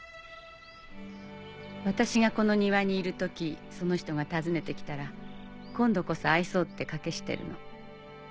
私がこの庭にいる時その人が訪ねて来たら今度こそ愛そうって賭けしてるの。